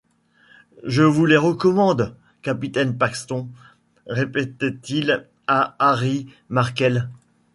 Je vous les recommande, capitaine Paxton... répétait-il à Harry Markel.